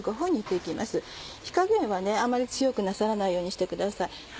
火加減はあんまり強くなさらないようにしてください。